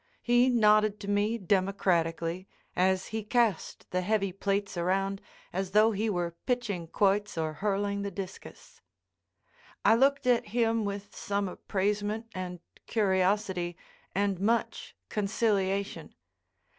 He nodded to me democratically as he cast the heavy plates around as though he were pitching quoits or hurling the discus. I looked at him with some appraisement and curiosity and much conciliation.